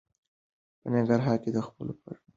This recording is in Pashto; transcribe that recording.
په ننګرهار کې د خپلواکۍ په وياړ غونډه وشوه.